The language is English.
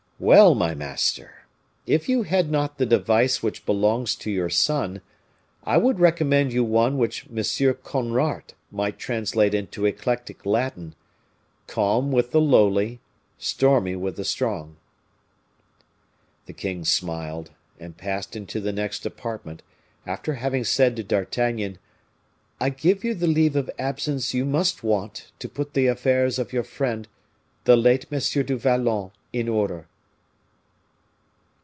"Well, my master! If you had not the device which belongs to your sun, I would recommend you one which M. Conrart might translate into eclectic Latin, 'Calm with the lowly; stormy with the strong.'" The king smiled, and passed into the next apartment, after having said to D'Artagnan, "I give you the leave of absence you must want to put the affairs of your friend, the late M. du Vallon, in order."